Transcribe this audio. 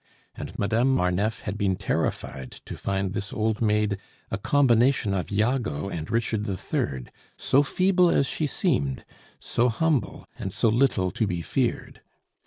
And Madame Marneffe had been terrified to find this old maid a combination of Iago and Richard III., so feeble as she seemed, so humble, and so little to be feared.